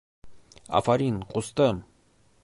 — Афарин, ҡустым!